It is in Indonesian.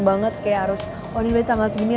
banget kayak harus oh ini udah tanggal segini